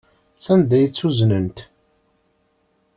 Sanda ay tt-uznent?